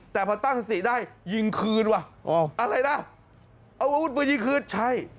แต่พอตั้งสติได้ยิงคืนว่ะอะไรล่ะเอาอาวุธมายิงคืนใช่